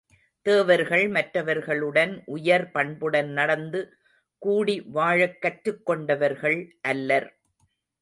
தேவர்கள் மற்றவர்களுடன் உயர் பண்புடன் நடந்து கூடிவாழக் கற்றுக்கொண்டவர்கள் அல்லர்.